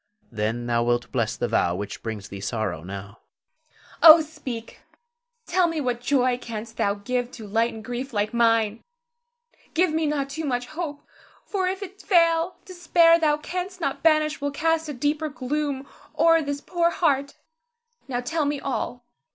Then thou wilt bless the vow which brings thee sorrow now. Zara. Oh, speak! Tell me what joy canst thou give to lighten grief like mine! Give me not too much hope; for if it fail, despair thou canst not banish will cast a deeper gloom o'er this poor heart. Now, tell me all.